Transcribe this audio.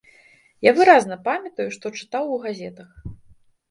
Я выразна памятаю, што чытаў у газетах.